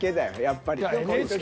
やっぱり。